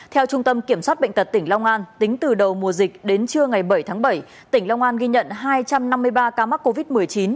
theo trung tâm kiểm soát bệnh tật tỉnh long an tính từ đầu mùa dịch đến trưa ngày bảy tháng bảy tỉnh long an ghi nhận hai trăm năm mươi ba ca mắc covid một mươi chín